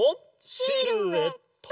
シルエット！